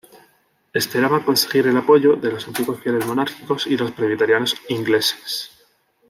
Esperaba conseguir el apoyo de los antiguos fieles monárquicos y de los presbiterianos ingleses.